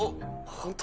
本当